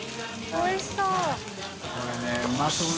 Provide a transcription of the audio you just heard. おいしそう。